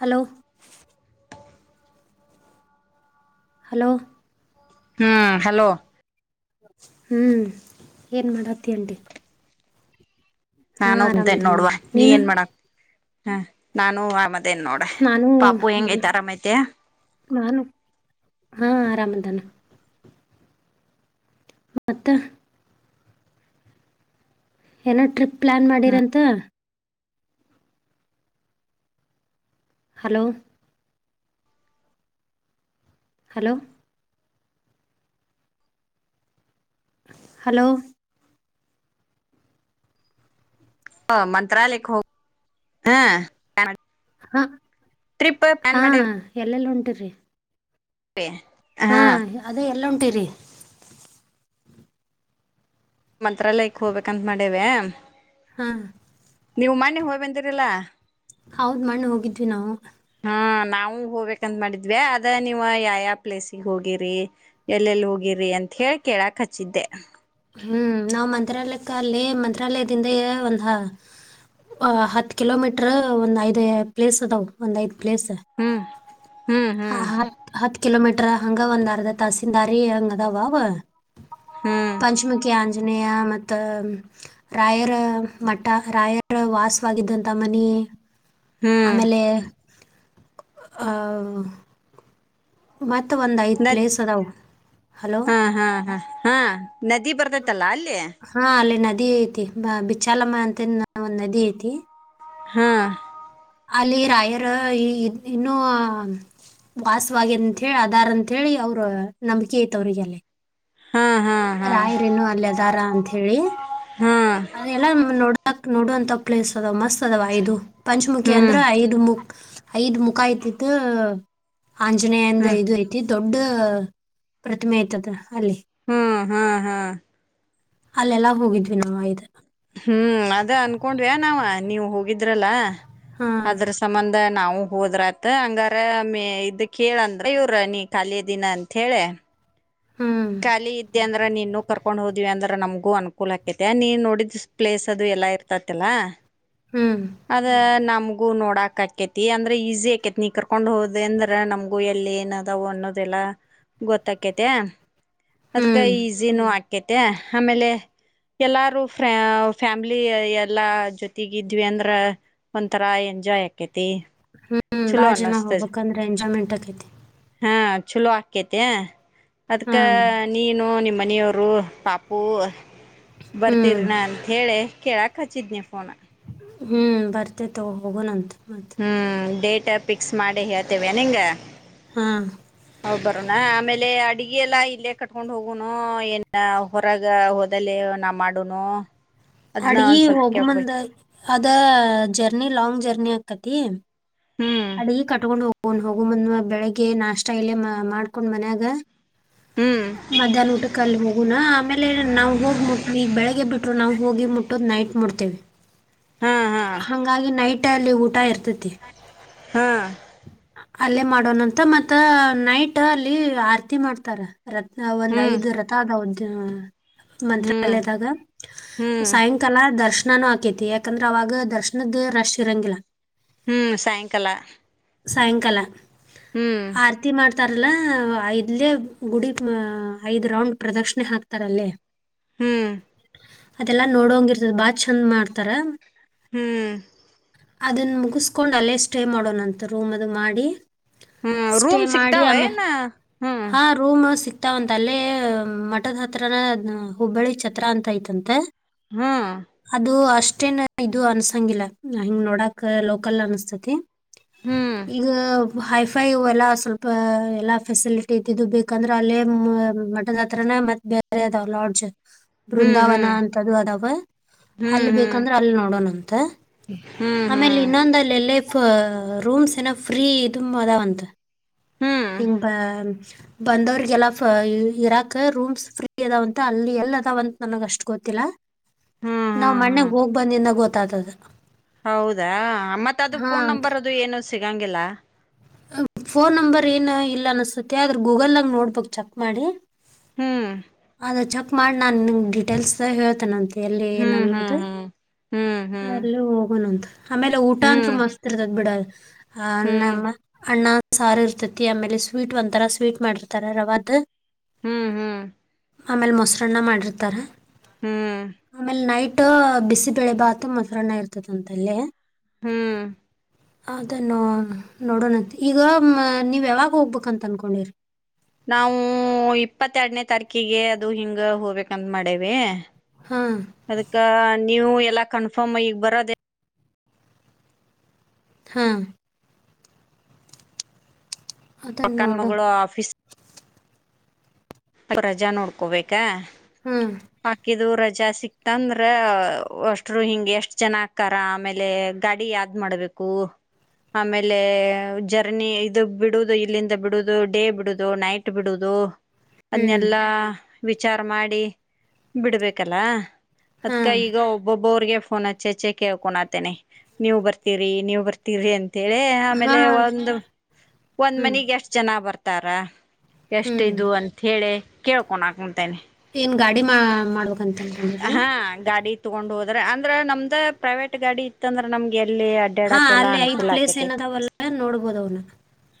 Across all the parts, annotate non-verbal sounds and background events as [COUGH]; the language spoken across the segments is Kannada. ಹಲೋ ಹಲೋ ಹ್ಞ ಹಲೋ. ಹ್ಞೂ ಏನು ಮಾಡತಿ ಅಂಟೀ. ನಾನು ಕುಂತನ್ ಆರಾಮದೇನಿ ನೋಡುವ ನೋಡು ನೀ ನೀನು ಏನ್ ಮಾಡಕ್ ಹ ನಾನು ಆ ಮದ ಏನ್ ನೋಡ್. ನಾನು ಪಾಪು ಹೆಂಗೖತೆ ಮಲ್- ಆರಾಮೈತೆ. ನಾನು ಹಾ ಆರಾಮದಾನ. ಮತ್ತ. ಎಲ್ಲೋ ಟ್ರಿಪ್ ಪ್ಲ್ಯಾನ್ ಮಾಡಿರಂತ. ಹಲೋ. ಹಲೋ ಹಲೋ ಹ ಮಂತ್ರಾಲಯಕ್ಕೆ ಹೋ ಹ ಹಾ ಟ್ರಿಪ್ ಪ್ಲಾನ್ ಹಾ ಮಾಡೇವಿ ಎಲ್ಲೆಲ್ಲ್ ಹೊಂಟೀರಿ? ಪೆ [UNINTELLIGIBLE] ಹಾ ಅದೇ ಎಲ್ಲ ಹೊಂಟೀರಿ? ಮಂತ್ರಾಲಯಕ್ ಹೋಗ್ಬೇಕಂತ್ ಮಾಡೇವೆ. ಹಾ ನೀವು ಮನ್ನೆ ಹೋಗ್ ಬಂದಿರಲ್ಲಾ. ಹೌದ್ ಮನ್ನೆ ಹೋಗಿದ್ವಿ ನಾವು. ಹಾ ನಾವು ಹೋಗ್ಬೇಕಂತ್ ಮಾಡಿದ್ವಿ ಅದ ನೀವ ಯಾವ ಯಾವ ಪ್ಲೇಸಿಗೆ ಹೋಗಿರಿ. ಎಲ್ಲೆಲ್ಲಿ ಹೋಗಿರ್ರಿ ಅಂತ ಹೇಳಿ ಕೇಳಾಕ್ ಹಚ್ಚಿದ್ದೆ. ಹ್ಮ್ ನಾವ್ ಮಂತ್ರಾಲಯಕ್ಕ ಅಲ್ಲಿ ಮಂತ್ರಾಲಯದಿಂದ ಒಂದ ಅ ಹತ್ ಕಿಲೋಮೀಟರ್ ಒಂದ್ ಐದ್ ಪ್ಲೇಸ್ ಅದಾವು ಒಂದ್ ಐದ್ ಪ್ಲೇಸ್. ಹ್ಮ್ ಹ್ಮ್ ಹ ಹ್ಮ್ ಹತ್ ಹತ್ ಕಿಲೋಮೀಟರ್ ಹಂಗ ಒಂದರ್ದ ತಾಸೀನ್ದಾರಿ ಹಂಗದಾವ ಅವ. ಹ್ಮ್ ಪಂಚಮುಖಿ ಆಂಜನೇಯ ಮತ್ ತ ರಾಯರ ಮಠ ರಾಯರ ವಾಸವಾಗಿದ್ದಂತ ಮನಿ. ಹ್ಮ್ ಆಮೇಲೆ ಅ ಮತ್ತ ಒಂದ ಐ ನದ್ ಹಾ ಹಾ ಹಾ ಹಾ ನದಿ ಬರ್ತೈತಲ್ಲ ಅಲ್ಲೆ. ಹಾ ಅಲ್ಲಿ ನದಿ ಐತಿ ಬ ಬಿಚ್ಚಾಲಮ್ಮ ಅಂತ ಒಂದ್ ನದಿ ಐತಿ. ಹಾ ಅಲ್ಲಿ ರಾಯರ್ ಇನ್ನೂ. ವಾಸವಾಗಿ ಅಂತ ಹೇಳಿ ಅದಾರ್ ಅಂತ ಹೇಳಿ ಅವ್ರ ನಂಬಿಕೆ ಐತ್ ಅವ್ರಿಗೆಲ್ಲೆ. ಹಾ ಹಾ ಹಾ ರಾಯರಿನ್ನು ಅಲ್ಲೆದಾರ ಅಂತ ಹೇಳಿ ಹಾ ಅದೆಲ್ಲ ನೋಡ ಕ್ ನೋಡುವಂತ ಪ್ಲೇಸ್ ಅದಾವ್ ಮಸ್ತ್ ಅದವ ಇದು ಪಂಚಮುಖಿ ಅಂದ್ರ ಹ್ಮ್ ಐದು ಮುಖ್ ಐದ್ ಮುಖ ಇದ್ದಿತ್ತು ಆಂಜನೇಯಂದು ಹ್ಮ್ ಇದು ಐತಿ. ತಿ ದೊಡ್ಡ ಪ್ರತಿಮೆ ಐತದು ಅಲ್ಲಿ. ಹ್ಮ್ ಹ್ಮ್ ಹಾ ಅಲ್ಲೆಲ್ಲಾ ಹೋಗಿದ್ವಿ ನಾವ್ ಐದು. ಹ್ಮ್ ಅದ ಅನ್ಕೊಂಡ್ವಾ ನಾವ ನೀವು ಹೋಗಿದ್ರಲ್ಲ ಹ್ಮ್ ಅದ್ರ ಸಂಬಂಧ ನಾವು ಹೋದ್ರಾತ್ ಹಂಗಾರ ಮ ಇದ ಕೇಳಂದ್ರ ಇವ್ರ ನೀ ಖಾಲಿ ಅದಿಯನ ಅಂತೇಳಿ. ಹ್ಮ್ ಖಾಲಿ ಇದ್ದ್ಯ ಅಂದ್ರೆ ಅ ನೀನ್ನೂ ಕರ್ಕೊಂಡು ಹೋದಿವವಿ ಅಂದ್ರ ನಮಗೂ ಅನುಕೂಲ ಆಕೈತ್ಯಾ ನೀ ನೋಡಿದ ಪ್ಲೇಸ್ ಅದು ಎಲ್ಲ ಇರ್ತತಿಲ್ಲ. ಹ್ಮ್ ಅದ ನಮಗೂ ನೋಡಾಕಕ್ಕೇತಿ ಅಂದ್ರ ಈಸಿ ಆಕ್ಕೇತಿ ನೀ ಕರ್ಕೊಂಡ್ ಹೋದಿ ಅಂದ್ರ ನಮಗು ಎಲ್ಲಿ ಏನ ಅವು ಅನ್ನೋದೆಲ್ಲಾ ಗೊತ್ತಕೈತ್ಯಾ. ಅದ್ಕ ಹ್ಮ್ ಈಸಿನೂ ಆಕೈತೆ ಆಮೇಲೆ. ಎಲ್ಲಾರು ಫ್ರ ಫ್ಯಾಮ್ಲಿ ಎಲ್ಲಾ ಜೊತೆಗಿದ್ವಿ ಅಂದ್ರ. ಒಂಥರಾ ಎಂಜಾಯ್ ಆಕ್ಕೇತಿ. ಹ್ಮ್ ಬಾಳ ಜನ ಹೋಗಬೇಕಂದ್ರ ಎಂಜಾಯ್ಮೆಂಟ್ ಆಕೈತಿ. ಹ್ಮಾ ಚಲೋ ಆಕೈತಿ ಅದ್ಕ. ಹ್ಮ್ ನೀನು ನಿಮ್ಮನೆಯವರು ಪಾಪು ಹ್ಮ್ ಬರ್ತೀರನ ಅಂತ ಹೇಳಿ ಕೇಳಕ್ ಖಚಿಜ್ಞಫೋನ. ಹ್ಮ್ ಬರ್ತೀವ್ ತೊಗೊ ಹೋಗೋನಂತ ಮ ಹ್ಞೂ ಡೇಟ ಫಿಕ್ಸ್ ಮಾಡಿ ಹೇಳ್ತೀವ ನಿಂಗ. ಹಾಂ ಹೊಬರೋಣ ಆಮೇಲೆ ಅಡಿಗಿ ಎಲ್ಲಾ ಇಲ್ಲೇ ಕಟ್ಕೊಂಡ್ ಹೋಗೋನು ಏನ್ ಹೊರಗ ಹೋದಲ್ಲ ನಾ ಮಾಡನು. ಅಡ್ಗಿ ಹೋಗು ಮುಂದ. ಅದ ಜರ್ನಿ ಲಾಂಗ್ ಜರ್ನಿ ಆಕ್ಕತಿ ಹ್ಮ್ ಅಡಿಗಿ ಕಟ್ಕೊಂಡ್ ಹೋಗ ಡ್ ಹೋಗುಮುಂದ್ ಬೆಳಿಗ್ಗೆ ನಾಷ್ಟ ಇಲ್ಲ ಮಾಡ್ಕೊಂಡ್ ಮನ್ಯಾಗ. ಹ್ಮ್ ಮಧ್ಯಾಹ್ನ ಊಟಕ್ಕಲ್ಲಿ ಹೋಗುಣ ಆಮೇಲೆ ನಾವ್ ಹೋಗ ಮುಟ್ ಈಗ್ ಬೆಳಿಗ್ಗೆ ಬಿಟ್ರು ನಾವ್ ಹೋಗಿ ಮುಟ್ಟೋದು ನೈಟ್ ಮುಡ್ತೇವಿ ಹಾ ಹಾ ಹಂಗಾಗಿ ನೈಟ್ ಅಲ್ಲಿ ಊಟ ಇರ್ತೈ ತಿ ಹಾ ಅಲ್ಲೇ ಮಾಡೋನಂತ ಮತ್ತ ನೈಟ್ ಅಲ್ಲಿ ಆರತಿ ಮಾಡ್ತಾರ. ರತ್ನ ಒಂದ್ ಹ್ಮ್ ಐದ ರಥ ಅದಾವಂತ ಹ್ಮ್ ಮಂತ್ರಾಲಯದಾಗ ಹ್ಮ್ ಸಾಯಂಕ ಕಲಾ ದರ್ಶನ ಆಕೈತಿ ಯಾಕಂದ್ರ ಅವಾಗ ದರ್ಶನದ ರಶ್ ಇರಂಗಿಲ್ಲ. ಹ್ಮು ಸಾಯಂಕಾಲ. ಸಾಯಂಕಾಲ ಹ್ಮು ಆರತಿ ಮಾಡ್ತಾರಲ್ಲ ಐದ್ಲೆ ಗುಡಿ ಅ ಐದ್ ರೌಂಡ್ ಪ್ರದಕ್ಷಿಣೆ ಹಾಕ್ತಾರಲ್ಲೇ. ಹ್ಮು ಅದೆಲ್ಲಾ ನೋಡಂಗ ಇರ್ತದ ಬಾಳ್ ಚಂದ್ ಮಾಡ್ತಾರ. ಹ್ಮು ಅದನ್ನ ಮುಗಿಸ್ಕೊಂಡು ಅಲ್ಲೇ ಸ್ಟೇ ಮಾಡೋಣಂತ ರೂಮ್ ಅದು ಮಾಡಿ. ಹ್ಮ್ ಸ್ಟೇ ರೂಮ್ ಮಾಡಿ ಸಿಗ್ತಾವ ಆಮೆ ಏನ ಹ್ಮ್ ಹಾ ರೂಮ್ ಸಿಕ್ತಾವಂತ ಅಲ್ಲೆ ಮಠದ ಹತ್ರನ ಹುಬ್ಬಳ್ಳಿ ಚತ್ರ ಅಂತ ಐತಂತೆ. ಹ್ಮ್ ಅದು ಅಷ್ಟೇನ ಇದು ಅನ್ಸಂಗಿಲ್ಲ ಹಿಂಗ್ ನೋಡಕ್ ಲೋಕಲ್ ಅನಸ್ತೈತಿ ಹ್ಮ್ ಈಗ ಹಯ್ ಫೈ ಅವು ಎಲ್ಲ ಸ್ವಲ್ಪ ಎಲ್ಲ ಫೆಸಿಲಿಟಿ ಇದ್ದಿದ್ದು ಬೇಕಂದ್ರೆ ಅಲ್ಲೇ ಮ ಮಠದ ಹತ್ರನ ಮತ್ತ ಬ್ಯಾರೆ ಅದಾವ ಲಾಡ್ಜ್. [INAUDIBLE] ಬೃಂದಾವನ ಅಂತ ಅದು ಅದಾವ ಅಲ್ಲಿ ಹ್ಮ್ ಹ್ಮ್ ಬೇಕಂದ್ರೆ ಅಲ್ಲಿ ನೋಡೋಣಂತ. ಹ್ಮ್ ಹ್ಮ್ ಹ್ಮ್ ಹ್ಮ್ ಆಮೇಲೆ ಇನ್ನೊಂದಲ್ಲಿ ಎಲ್ಲೇಫ ರೂಮ್ಸ್ ಏನ ಫ್ರೀ ಇದುಮ್ ಅದಾವಂತ. ಹ್ಮ್ [UNINTELLIGIBLE] ಬಂದವ್ರಿಗೆಲ್ಲಫ ಇರಾಕ್ ರೂಮ್ಸ್ ಫ್ರೀ ಅದಾವಂತ ಅಲ್ಲಿ ಎಲ್ ಅದಾವಂತ ನನಗ ಅಷ್ಟ ಗೊತ್ತಿಲ್ಲ. [INAUDIBLE] ನಾವ್ ಮನ್ನೆಗ್ ಹ್ಮ್ ಹೋಗ್ ಬಂದಿಂದಾಗ ಗೊತ್ತಾತ್ ಅದಕ್. ಹೌದಾ ಮತ್ತ ಅದು ಫೋನ್ ಅಂತ ನಂಬರ್ ಅದು ಏನು ಸಿಗಂಗಿಲ್ಲ. ಫೋನ್ ನಂಬರ್ ಏನ ಇಲ್ಲ ಅನಸ್ತತ್ಯ ಆದ್ರ ಗೂಗಲನ್ಯಾಗ್ ನೋಡ್ಬೇಕು ಚೆಕ್ ಮಾಡಿ. ಹ್ಮ್ ಅದ ಚೆಕ್ ಮಾಡಿ ನಾ ನಿಂಗ್ ಡೀಟೇಲ್ಸ್ ಹೇಳ್ತೇನೆಂತ. ಎಲ್ಲಿ ಏನ ಹ್ಮ್ ಹ್ಮ್ ಅನ್ನೋದು ಹ್ಮ್ ಹ್ಮ್ ಹ್ಮ್ ಅಲ್ಲು ಹೋಗೋಣಂತ. ಆಮೇಲೆ ಊಟ ಅಂತ್ರು ಹ್ಮ್ ಮಸ್ತ್ ಇರ್ತದ್ ಬಿಡ ಆ ಹ್ಮ್ ನಮ್ಮ ಅನ್ನ, ಸಾರ ಇರ್ತತಿ ಆಮೇಲೆ ಸ್ವೀಟ್ ಒಂತರ ಸ್ವೀಟ್ ಮಾಡಿರ್ತಾರ ರವಾದ. ಹ್ಮು ಹ್ಮು. ಆಮೇಲೆ ಮೊಸರನ್ನ ಮಾಡಿರ್ತಾರ ಹ್ಮ್ ಆಮೇಲ ನೈಟ್ ಟ್ ಬಿಸಿಬೆಳೆ ಬಾತ್, ಮೊಸರನ್ನ ಇರತೈತಿ ಅಂತ ಅಲ್ಲೇ. ಹ್ಮು ಅದನ್ನು ನೋಡೋಣಂತ ಈಗ ನೀವ್ ಯಾವಾಗ ಹೋಗ್ಬೇಕಂತ ಅನ್ಕೊಂಡಿರಿ. ನಾವು ಇಪ್ಪತ್ತೆರಡನೇ ತಾರಕಿಗೆ ಅದು ಹಿಂಗ ಹೋಗ್ಬೇಕಂದ ಮಾಡೇವೆ. ಹ ಅದಕ್ ನೀವು ಎಲ್ಲಾ ಕನ್ಫರ್ಮ್ ಈಗ ಬರೋದೆ ಹ ಅದನ್ನ ಪಕ್ಕನ್ ನೋಡು ಮಗಳು ಆಫ್ ರಜಾ ನೋಡ್ಕೋಬೇಕ. ಹ ಆಕಿದು ರಜಾ ಸಿಕ್ತಂದ್ರ ಅಷ್ಟ್ರು ಹಿಂಗ್ ಎಷ್ಟ್ ಜನ ಆಕಾರ ಆಮೇಲೆ ಗಾಡಿ ಯಾ ಏನ್ ಮಾಡ್ಬೇಕು. ಆಮೇಲೆ ಜರ್ನಿ ಇದು ಬಿಡುದು ಇಲ್ಲಿಂದ ಬಿಡುದು ಡೇ ಬಿಡುದು ನೈಟ್ ಬಿಡುದು. ಹ್ಮ್ ಅದನ್ನೆಲ್ಲಾ ವಿಚಾರ ಮಾಡಿ ಬಿಡ್ಬೇಕಲ್ಲ ಹಾ ಅದ್ಕ ಈಗ ಒಬ್ಬೊಬ್ಬರಿಗೆ ಫೋನ್ ಹಚ್ಚೆಚ್ಚೆ ಕೇಳ್ಕೊಂಣತಿನಿ ನೀವ್ ಬರ್ತಿರಿ ನೀವ್ ಬರ್ತಿರಿ ಅಂತ ಅಂತೇಳೆ ಹಾ ಆಮೇಲೆ ಅಂತ ಒಂದ ಒಂದ್ ಹ್ಮ್ ಮನಿಗ್ ಎಷ್ಟ್ ಜನ ಬರ್ತಾರ ಎಷ್ಟ ಹ್ಮ್ ಇದು ಅಂತೇಳಿ ಕೇಳ್ಕೊಣ್ಣಕುಂತೇನಿ ಏನ್ ಗಾಡಿ ಮಾ ಮಾಡ್ಬೇಕಂತ ಅಂನ್ಕೊಂಡ್ರೀನ್ ಹಾ ಗಾಡಿ ತಗೊಂಡ ಹೋದ್ರ ಅಂದ್ರ ನಮ್ದ ಪ್ರೈವೇಟ್ ಗಾಡಿ ಇತ್ತ ಅಂದ್ರ ನಮ್ಗ ಎಲ್ಲಿ ಹಾ ಅಡ್ಡಾಡಕ್ ಎಲ್ಲಾ ಅಲ್ಲಿ ಐದ್ ಅನುಕೂಲ ಪ್ಲೇಸ್ ಆಕೇತಿ ಏನದಾವಲ್ಲ ನೋಡ್ಬೋದ ಅವ್ನ್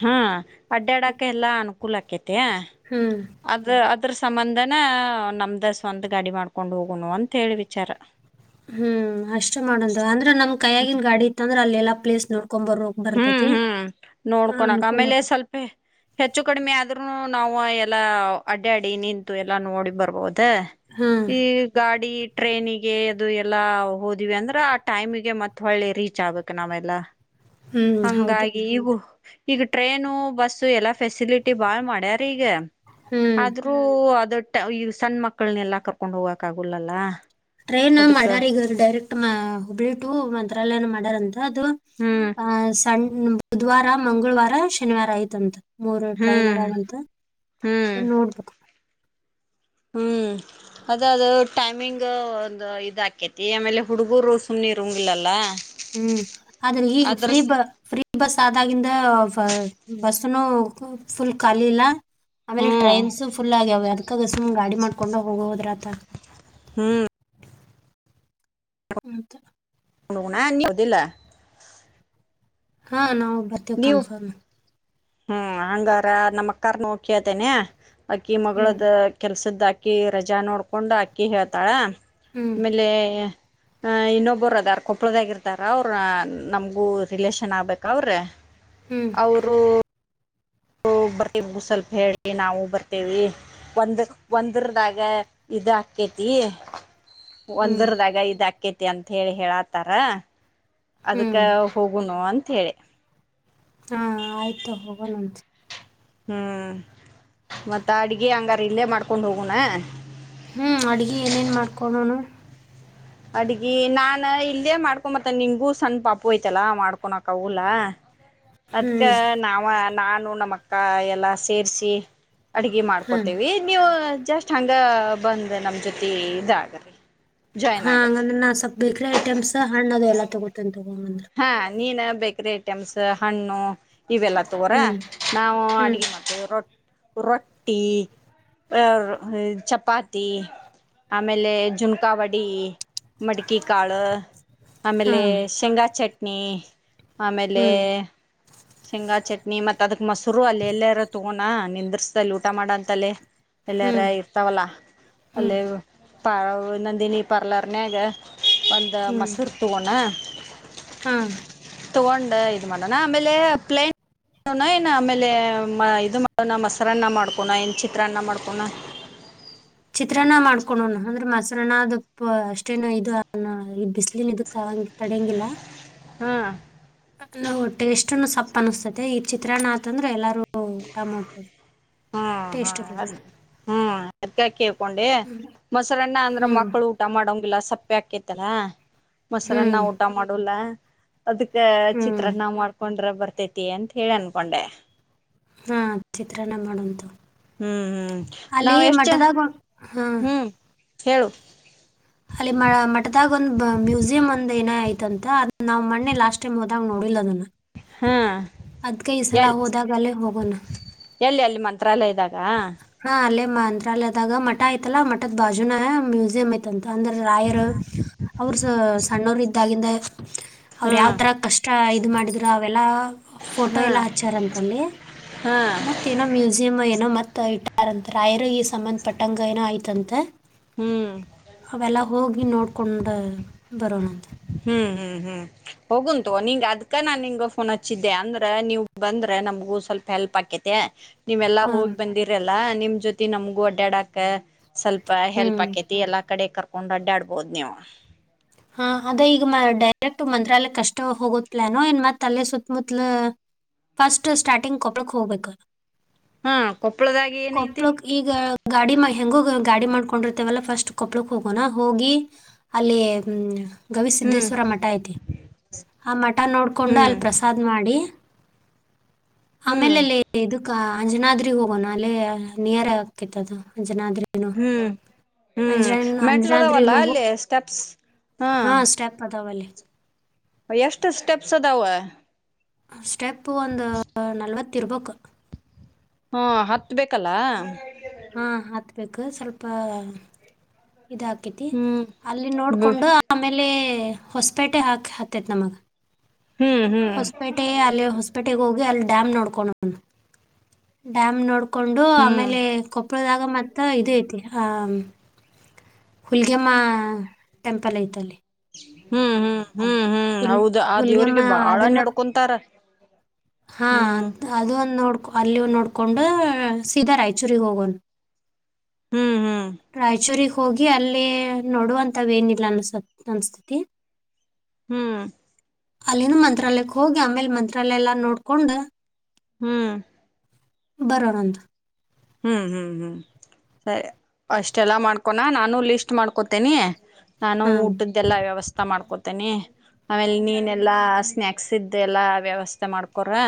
ಹಾ ಅಡ್ಡಡಾಕ ಎಲ್ಲಾ ಅನುಕೂಲ ಆಕೇತೆ ಹ್ಮ್ ಅದ ಅದ್ರ ಸಂಬಂಧನ್ ನಮ್ದ ಸ್ವಂತ ಗಾಡಿ ಮಾಡ್ಕೊಂಡ್ ಹೋಗುನು ಅಂತ ಹೇಳಿ ವಿಚಾರ ಹ್ಮ್ ಅಷ್ಟೇ ಮಾಡಂದ ಅಂದ್ರ ನಮ್ ಕೈಯಗಿನ್ ಗಾಡಿ ಇತ್ತ ಅಂದ್ರ ಅಲ್ಲಿ ಎಲ್ಲ ಪ್ಲೇಸ್ ನಡ್ಕೊಂಡ್ ಬರು ಹ್ಮ್ ಹ್ಮ್ ನೋಡ್ಕೊನಕ್ ಆಮೇಲೆ ಆಕೇತಿ ಸ್ವಲ್ಪೇ ಹೆಚ್ಚು ಕಡಿಮೆ ಆದರೂನು ನಾವು ಎಲ್ಲ ಅಡ್ಡಾಡಿ ನಿಂತು ಎಲ್ಲಾ ನೋಡಿ ಬರ್ಬೋದ್ ಹ್ಮ್ ಈ ಗಾಡಿ ಟ್ರೈನಿಗೆ ಅದು ಎಲ್ಲ ಹೋದಿವಿ ಅಂದ್ರ ಆ ಟೈಮಿಗೆ ಮತ್ತ ಒಳ್ಳಿ ರೀಚ್ ಆಗ್ಬೇಕ್ ನಾವೆಲ್ಲ ಹ್ಮ್ ಹೌದು ಹಂಗಾಗಿ ಈಗು ಈಗ ಟ್ರೈನು ಬಸ್ಸು ಎಲ್ಲಾ ಫೆಸಿಲಿಟಿ ಭಾಳ್ ಮಾಡ್ಯಾರೀ ಈಗ ಹ್ಮ್ ಆದ್ರೂ ಅದುಟ್ಟ್ ಈ ಸಣ್ಣ ಮಕ್ಕಳನೆಲ್ಲಾ ಕರ್ಕೊಂಡ್ ಹೋಗ್ಕ್ ಆಗುಲ್ಲಲ್ಲ ಟ್ರೈನ್ ಅದಕ್ಕ ಮಾಡ್ಯಾರ ಈಗ ಡೈರೆಕ್ಟ್ ಹುಬ್ಳಿ ಟು ಮಂತ್ರಾಲಯನು ಮಾಡ್ಯಾರಂತ ಅದು ಹ್ಮ್ ಆ ಸಣ್ಣ ಬುಧವಾರ ಮಂಗಳವಾರ ಶನಿವಾರ ಆಯ್ತ್ ಅಂತ. ಮೂರು ಟ್ರೈನ್ ಹ್ಮ್ ಅದವ್ ಅಂತ ಹ್ಮ್ ಅದನ್ನ ನೋಡ್ಬಕು. ಹ್ಮ್. ಅದ ಅದು ಟೈಮಿಂಗ್ ಒಂದು ಇದಾಕೇತಿ ಆಮೇಲೆ ಹುಡುಗೂರು ಸುಮ್ನಿರುಂಗಿಲ್ಲಲ್ಲ. ಹ್ಮ್ ಆದ್ರೆ ಈಗ ಫ್ರೀ ಫ್ರೀ. ಪ್ರೀ ಬಸ್ ಆದಾಗಿಂದ ಬಸ್ನು ಫುಲ್ ಖಾಲಿ ಇಲ್ಲ ಆಮೇಲೆ ಹ್ಮ್ ಟ್ರೈನ್ಸ್ ಫುಲ್ ಆಗ್ಯಾವ್ ಅದ್ಕಾಗ ಸುಮ್ ಗಾಡಿ ಮಾಡ್ಕೊಂಡ್ ಹೋದ್ರಾತ್ತೇಳ್ ಹ್ಮ್ ಹಂತ್ [UNINTELLIGIBLE] ಹಾ ನವಂಬರ್ ನೀವು ಹ್ಮ ಹಂಗಾರ ನಮ್ಮ ಅಕ್ಕಾರನ್ ಹೋಗಕೇತೇನೆ ಅಕ್ಕಿ ಹ್ಮ್ ಮಗಳದ ಕೆಲ್ಸದ ಅಕ್ಕಿ ರಜಾ ನೋಡ್ಕೊಂಡು ಅಕ್ಕಿ ಹೇಳ್ತಾಳ್ ಹ್ಮ್ ಆಮೇಲೆ ಇನ್ನೊಬ್ಬರ್ ಅದಾರ್ ಕೊಪ್ಪಳದಾಗಿರ್ತಾರ ಅವರ್ ನಮಗೂ ರಿಲೇಷನ್ ಆಬೇಕ್ ಅವ್ರ್ ಹ್ಮ್ ಅವರು ನಾವು ಬರ್ತಿವಿ ನಮಗು ಸ್ವಲ್ಪ ಹೇಳಿ ನಾವು ಬರ್ತೇವಿ ಒಂದ್ ಒಂದರದಾಗ ಇದ್ ಹಾಕ್ಕೇತ್ತೆತಿ ಹ್ಮ್ ಒಂದರದಾಗ ಇದಾಕೇತಿ ಅಂತ ಹೇಳಿ ಹೇಳತಾರ್ ಅದಕ್ಕ್ ಹ್ಮ್ ಹೋಗುನು ಅಂತ ಹೇಳಿ ಹಾ ಆಯ್ತ್ ತೊ ಹೋಗುನ್ನಂತ್ ಹ್ಮ್ ಮತ್ತ ಅಡ್ಗಿ ಅಂಗಾರ ಇಲ್ಲೇ ಮಾಡ್ಕೊಂಡ್ ಹೋಗುನ್ನ್ ಹ್ಮ್ ಅಡ್ಗಿ ಏನೇನ್ ಮಾಡ್ಕೊಳೋಣ ಅಡ್ಗಿ ನಾನ್ ಇಲ್ಲೇ ಮಾಡ್ಕೊಂಬರ್ತನೆ ನಿಂಗೂ ಸಣ್ಣ ಪಾಪುಯ್ತೈಲ್ಲ ಮಾಡ್ಕೊನಕ್ಗಲ್ಲಾ. [UNINTELLIGIBLE] ಅದ್ಕ ಹ್ಮ್ ನಾವ ನಾನು ನಮ್ಮ ಅಕ್ಕ ಎಲ್ಲಾ ಸೇರ್ಸಿ ಅಡ್ಗಿ ಹಾ ಮಾಡ್ಕೊತೇವಿ. ನೀವು ಜಸ್ಟ್ ಹಂಗ ಬಂದ್ ನಮ್ ಜೊತೆ ಇದಾಗ್ ಜಾಯ್ನ್ ಹಾ ಆಗರಿ. ಹಂಗಂದ್ರ ನಾ ಸ್ವಲ್ಪ್ ಬೇಕ್ರಿ ಐಟಮ್ಸ್ ಹಣ್ಣು ಅದು ಎಲ್ಲ ತಗುತ್ತಿನ್ರಿ [UNINTELLIGIBLE] ಹಾ ನೀನ್ ಬೇಕರಿ ಐಟಮ್ಸ್ ಹಣ್ಣು ಇವೆಲ್ಲ ತೊಗರ ಹ್ಮ್ ನಾವು ಹ್ಮ್ ಅಡಗೆ ಮಾಡ್ತೇವಿ ರೊ ರೊಟ್ಟಿ ಆ ರ ಚಪಾತಿ. ಆಮೇಲೆ ಜುನ್ಕಾವಡಿ ಮಡ್ಕಿಕಾಳು. ಹಾ ಆಮೇಲೆ ಶೇಂಗಾ ಚಟ್ನಿ ಆಮೇಲೆ ಹ್ಮ್ ಶೇಂಗಾ ಚಟ್ನಿ ಮತ್ ಅದಕ್ ಮೊಸ್ರು ಅಲ್ಲೆಲ್ಯಾರ ತೊಗೋಣ ನಿಂದ್ರಿಸ್ದಲ್ಲಿ ಊಟ ಮಾಡಂತಲ್ಲೆ. ಎಲ್ಲಾರ ಹ್ಮ್ ಇರ್ತಾವಲ್ಲಾ ಅಲ್ಲಿ ಹ್ಮ್ ಪ ನಂದಿನಿ ಪಾರ್ಲರ್ನ್ಯಾಗ ಒಂದು ಹ್ಮ್ ಮಸುರು ತೊಗೊಣ. ಹಾ ತಗೊಂಡ ಇದು ಮಾಡೋಣ ಆಮೇಲೆ ಪ್ಲೇನ್ ಣ ಏನ ಆಮೇಲೆ ಇದು ಮಾಡೋಣ ಮೊಸರನ್ನ ಮಾಡ್ಕೋಣ ಇನ್ ಚಿತ್ರಾನ್ನ ಮಾಡ್ಕೋಣ. ಚಿತ್ರಾನ್ನ ಮಾಡ್ಕೊಂಣೊಣ ಅಂದ್ರೆ ಮೊಸರನ್ನ ಅದು ಅಷ್ಟೇನ ಇದು ಬಿಸಿಲಿನ ಇದಕ್ಕ ತಡಿಯಂಗಿಲ್ಲಾ. ಹಾ ಅ ಟೇಸ್ಟ್ನು ಸಪ್ಪ ಅನಿಸ್ತತೆ ಈ ಚಿತ್ರಾನ್ನ ಆತಂದ್ರೆ ಎಲ್ಲಾರೂ ಊಟ ಮಾಡಬೊದು. ಹ್ಮ್ ಹಾ ಅದ್ ಹ್ಮ್ ಅದ್ಕ ಕೇಳ್ಕೊಂಡೆ ಮೊಸರನ್ನ ಅಂದ್ರ ಹ್ಮ್ ಮಕ್ಕಳು ಊಟ ಮಾಡಂಗಿಲ್ಲ ಸಪ್ಪೆ ಹಾಕೇತಲ ಮೊಸರನ್ನ ಹ್ಮ್ ಊಟ ಮಾಡೊಲ್ಲ. ಅದಕ್ಕ ಹ್ಮ್ ಚಿತ್ರಾನ್ನ ಮಾಡ್ಕೊಂಡ್ರೆ ಬರ್ತೇತಿ ಅಂತ ಹೇಳಿ ಅನ್ಕೊಂಡೆ. ಹಾ ಚಿತ್ರನ್ನ ಮಾಡಂತೊಗ್ ಹ್ಮ್ ಹ್ಮ್ ಅಲ್ಲಿ ನಾವ್ ಎಷ್ಟ್ ಜ ಮಠದಾಗ ಹಾ ಹ್ಮ್ ಹೇಳು. ಅಲ್ಲಿ ಮ ಮಟದಾಗ ಒಂದ ಮ್ಯೂಸಿಯಂ ಒಂದ್ ಏನ ಐತಂತ ಅದ್ಕು ನಾವ್ ಮನ್ನೆ ಲಾಸ್ಟ್ ಟೈಮ್ ಹೋದಾಗ ನೋಡಿಲ್ಲದನ್ನ. ಹಾ ಅದನ್ನ ಅದ್ಕೆ ಈ ಸಲ ಎಲ್ ಹೋದಾಗಲ್ಲಿಗೋಗೋಣ. ಎಲ್ಲಿ ಅಲ್ಲಿ ಮಂತ್ರಾಲಯದ್ದಾಗ. ಹಾ ಅಲ್ಲೇ ಮಂತ್ರಾಲಯದಾಗ ಮಠ ಆಯ್ತಲ್ಲಾ ಮಠದ್ ಬಾಜುನ ಮ್ಯೂಸಿಯಂ ಐತ್ ತಂತ ಅಂದ್ರ ರಾಯರು ಅವ್ರ ಸ ಸಣ್ಣವರಿದ್ದಾಗಿಂದ ಅವ್ರು ಹಾ ಯಾವ್ ತರ ಕಷ್ಟ ಇದು ಮಾಡಿದ್ರರು ಅವೆಲ್ಲಾ ಫೋಟೋ ಹಾ ಎಲ್ಲ ಹಚ್ಚಾರಂತಲ್ಲಿ. ಹಾ ಮತ್ತ ಏನೋ ಮ್ಯೂಸಿಯಮ್ಮೊ ಏನೋ ಮತ್ ಇಟ್ಟಾರಂತ ರಾಯರು ಈ ಸಂಬಂಧ ಪಟ್ಟಂಗ ಏನೋ ಐತಂತೆ. ಹ್ಮ್ ಅವೆಲ್ಲ ಹೋಗಿ ನೋಡ್ಕೊಂಡ ಬರೋಣಂತ. ಹ್ಮ್ ಹ್ಮ್ ಹ್ಮ್ ಹೋಗುಂತೊಗ್ ನಿಂಗ್ ಅದ್ಕ ನಾನ್ ನಿಂಗ ಫೋನ್ ಹಚ್ಚಿದ್ದೆ ಅಂದ್ರೆ ನೀವ್ ಬಂದ್ರೆ ನಮ್ಗೂ ಸ್ವಲ್ಪ ಹೆಲ್ಪ್ ಆಕೇತಿ. ತೆ ನೀವೆಲ್ಲಾ ಹಾ ಹೋಗಿ ಬಂದಿರಲ್ಲಾ ನಿಮ್ ಜೊತಿ ನಮ್ಗೂ ಅಡ್ಡ್ಯಾಡಾಕ್ಕ ಸ್ವಲ್ಪ ಹೆಲ್ಪ್ ಹ್ಮ್ ಆಕೇತಿ ಎಲ್ಲಾ ಕಡೆ ಕರ್ಕೊಂಡ್ ಅಡ್ಡಾಡ್ಬೋದ್ ನೀವು. ಹಾ ಅದೇ ಈಗ ಡೈರೆಕ್ಟ್ ಮಂತ್ರಾಲಯ ಕಷ್ಟ ಹೋಗೋದ್ ಪ್ಲಾನೊ ಏನ್ ಮತ್ ಅಲ್ಲೇ ಸುತ್ತಮತ್ಲು ಫಸ್ಟ್ ಸ್ಟಾರ್ಟಿಂಗ್ ಕೊಪ್ಪುಳಕ್ ಹೋಗ್ಬೇಕು. ಹಾ ಕೊಪ್ಪಳದಾಗಿ ಏನೈತಿ? ಈಗ ಗಾಡಿ ಮ ಹೆಂಗೂ ಗಾಡಿ ಮಾಡ್ಕೊಂಡಿರ್ತೇವಲ್ಲ ಫಸ್ಟ್ ಕೊಪ್ಳಕ್ ಹೋಗೋಣ ಹೋಗಿ ಅಲ್ಲಿ ಹ್ಮ ಹ್ಮ್ ಗವಿಸಿದ್ದೇಶ್ವರ ಮಠ ಐತಿ ಆ ಮಠ ನೋಡ್ಕೊಂಡು ಹ್ಮ್ ಅಲ್ಲಿ ಪ್ರಸ ದ್ ಮಾಡಿ ಹ್ಮ್ ಆಮೇಲೆ ಲ್ಲೇ ಇದು ಗ ಅಂಜನಾದ್ರಿ ಹೋಗೋಣ ಅಲ್ಲಿ ನಿಯರ್ ಆಗ್ಕಿತ್ದು ಅಂಜನಾದ್ರಿ. ಹ್ಮ್ ಹ್ಮ್ ಮೆಟ್ಲದಾವಲ್ಲ ಅಂಜನಾದ್ರಿನು ಅಲ್ಲಿ ಹೋಗ್- ಸ್ಟೆಪ್ಸ್. ಹಾ ಸ್ಟೆಪದಾವಲ್ಲೀ. ಎಷ್ಟು ಸ್ಟೆಪ್ಸ್ ಅದಾವ? ಸ್ಟೆಪ್ ಒಂದ ನಲ್ವತ್ತ ಇರ್ಬೇಕ. ಹು ಹತ್ತ ಬೇಕಲ್ಲ. ಹಾ ಹತ್ಬೇಕ ಸ್ವಲ್ಪ ಇದ ಅಕ್ಕೆತಿ ಅಲ್ಲಿ ಹ್ಮ್ ನೋಡ್ಕೊಂಡು. ಆಮೇಲೆ ಹೊಸಪೇಟೆ ಹಾಕ ಹತ್ತೆತ ನಮ್ಮದ. ಹ್ಮ್ ಹ್ಮ್ ಹೊಸಪೇಟೆ ಅಲ್ಲಿ ಹೊಸಪೇಟೆಗೆ ಹೋಗಿ ಅಲ್ಲಿ ಡ್ಯಾಮ್ ನೋಡ್ಕೊಂಡ ಹೋಗುನ್ ಡ್ಯಾಮ್ ನೋಡ್. ಕೊಂಡು ಹ್ಮ್ ಆಮೇಲೆ ಕೊಪ್ಪಳದಾಗ ಮತ್. ತ್ತ ಇದ ಐತಿ ಆ ಹುಲ್ಗೆಮ್ಮ ಟೆಂಪಲ್ ಐತೆ ಅಲ್ಲೆ. ಹು ಹು ಹು ಹು ಹುಲ್ ಹೌದ ಆ ಹುಲಿಗೆಮ್ಮ ದೇವ್ರಿಗೆ ಬಾಳ ಅದನ್ನು ನೆಡ್ಕೊಂತಾರ. ಹಾ ಅದು ಒಂದು ನೋಡ್ಕೊ ಅಲ್ಲಿಂದು ನೋಡಿಕೊಂಡ ಸೀದಾ ರಾಯಚೂರಿಗೆ ಹೋಗೋಣ. ಹು ಹು ರಾಯಚೂರಿಗ ಹೋಗಿ ಅಲ್ಲಿ ನೋಡುವಂತವ ಏನಿಲ್ಲಾ ಅನ್ಸ ಅನಸ್ತತಿ. ಹು ಅಲ್ಲಿನು ಮಂತ್ರಾಲಯಕ್ಕೆ ಹೋಗಿ ಆಮೇಲೆ ಮಂತ್ರಾಲಯ ಎಲ್ಲಾ ನೋಡ್ಕೊಂಡ. ಹು ಬರೋಣಂತ. ಹು ಹು ಹು ಸರಿ ಅಷ್ಟೆಲ್ಲಾ ಮಾಡ್ಕೋಣ ನಾನು ಲಿಸ್ಟ್ ಮಾಡ್ಕೊತೇನಿ ನಾನು ಹಾ ಊಟದ. ದೆಲ್ಲಾ ವ್ಯವಸ್ಥಾ ಮಾಡ್ಕೋತನಿ. ಆಮೇಲ ನೀನ ಎಲ್ಲಾ ಸ್ನಾಯಕ್ಸ್ ಇದ್ದ ಎಲ್ಲಾ ವ್ಯವಸ್ಥ ಮಾಡ್ಕೋರಾ.